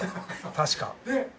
確か。